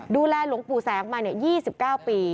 หลวงปู่แสงมา๒๙ปี